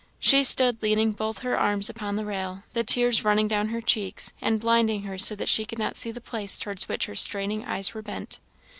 She stood leaning both her arms upon the rail, the tears running down her cheeks, and blinding her so that she could not see the place towards which her straining eyes were bent.